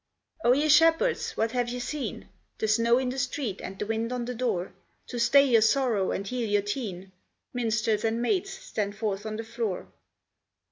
"O ye shepherds, what have ye seen, The snow in the street, and the wind on the door, To stay your sorrow and heal your teen?" Minstrels and maids, stand forth on the floor.